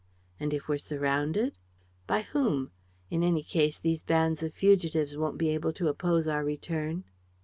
"And, if we're surrounded?" "By whom? In any case, these bands of fugitives won't be able to oppose our return."